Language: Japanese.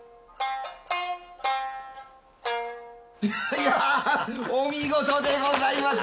いやあお見事でございます！